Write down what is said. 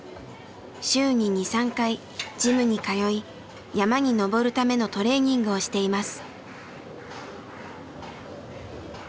週に２３回ジムに通い山に登るためのトレーニングをしています。